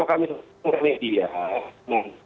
nah ini kan orang